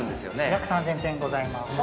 ◆約３０００点ございます。